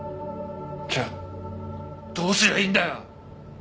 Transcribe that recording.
じゃあどうすりゃいいんだよ？